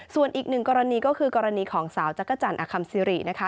ส่วนอีกหนึ่งกรณีก็คือกรณีของสาวจักรจันทร์อคัมซิรินะคะ